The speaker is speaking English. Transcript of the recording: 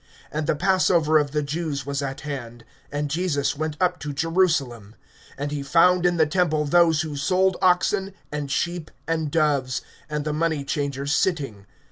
(13)And the passover of the Jews was at hand; and Jesus went up to Jerusalem. (14)And he found in the temple those who sold oxen and sheep and doves, and the money changers sitting.